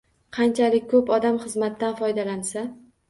Qanchalik ko’p odam xizmatdan foydalansa